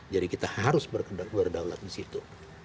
jadi kita harus berdaulat di situ